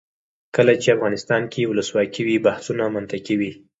کله چې افغانستان کې ولسواکي وي بحثونه منطقي وي.